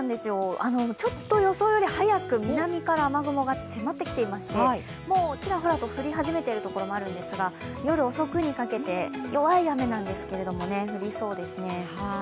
ちょっと予想より早く南から雨雲が迫ってきていましてもうチラホラと降り始めている所もあるんですが、夜遅くにかけて、弱い雨なんですけれどもね降りそうですね。